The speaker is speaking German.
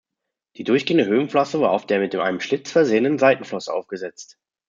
Die durchgehende Höhenflosse war auf der mit einem Schlitz versehenen Seitenflosse aufgesetzt.